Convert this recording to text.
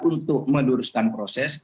untuk menduruskan proses